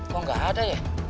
kok gak ada ya